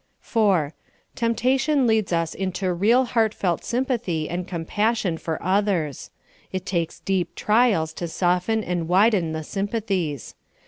4. Temptation leads us into real heart felt sympathy and compassion for others. It takes deep trials to soften and widen the sympathies.